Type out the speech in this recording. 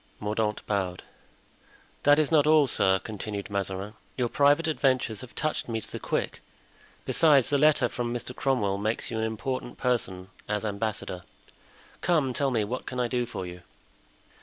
Mordaunt bowed. "That is not all, sir," continued Mazarin; "your private adventures have touched me to the quick; besides, the letter from Mr. Cromwell makes you an important person as ambassador; come, tell me, what can I do for you?"